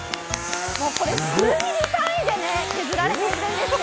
数ミリ単位で削られているんですよ。